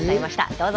どうぞ。